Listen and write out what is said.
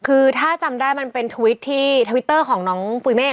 คือถ้าจำได้มันเป็นทวิตที่ทวิตเตอร์ของน้องปุ๋ยเมฆ